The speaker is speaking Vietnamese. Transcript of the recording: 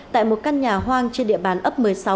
tại một căn nhà hoang trên địa bàn ấp một mươi sáu